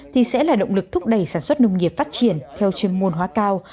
thì sẽ là động lực thúc đẩy sản xuất nông nghiệp phát triển theo chân môn hóa cao